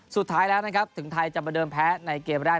สุดท้ายแล้วนะครับถึงไทยจะประเดิมแพ้ในเกมแรก